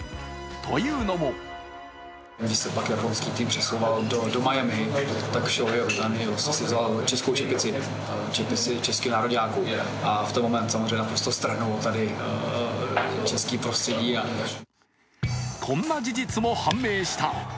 というのもこんな事実も判明した。